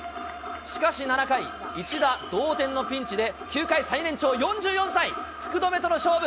しかし７回、一打同点のピンチで、球界最年長、４４歳、福留との勝負。